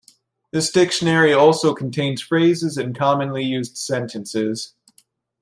This dictionary also contains phrases and commonly used sentences.